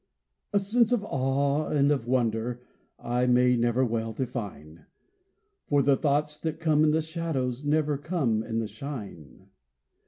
A sense of awe and of wonder I may never well define, For the thoughts that come in the shadows Never come in the shine.